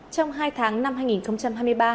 trong hai tháng năm hai nghìn hai mươi ba